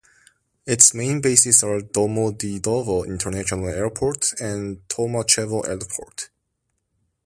Its main bases are Domodedovo International Airport and Tolmachevo Airport.